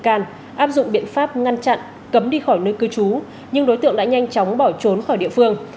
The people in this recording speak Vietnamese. công an huyện khởi tố bị can áp dụng biện pháp ngăn chặn cấm đi khỏi nơi cư trú nhưng đối tượng đã nhanh chóng bỏ trốn khỏi địa phương